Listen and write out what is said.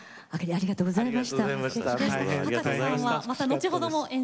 ありがとうございます。